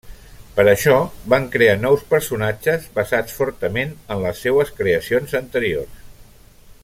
Per a això van crear nous personatges basats fortament en les seues creacions anteriors.